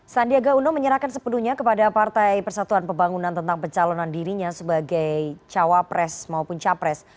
sandiaga uno menyerahkan sepenuhnya kepada partai persatuan pembangunan tentang pencalonan dirinya sebagai cawapres maupun capres